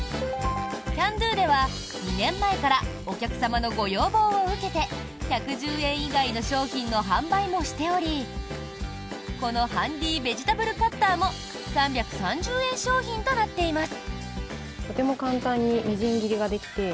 Ｃａｎ★Ｄｏでは２年前からお客様のご要望を受けて１１０円以外の商品の販売もしておりこのハンディベジタブルカッターも３３０円商品となっています。